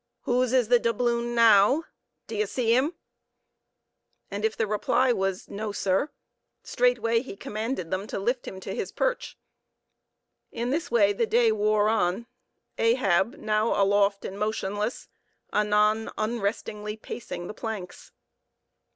"Whose is the doubloon now? D'ye see him?" And if the reply was, "No, sir," straightway he commanded them to lift him to his perch. In this way the day wore on; Ahab, now aloft and motionless; anon, unrestingly pacing the planks.